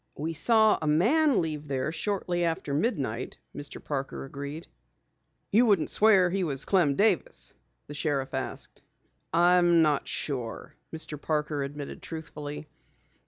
"We saw a man leave there shortly after midnight," Mr. Parker agreed. "You wouldn't swear he was Clem Davis?" the sheriff asked. "I'm not sure," Mr. Parker admitted truthfully.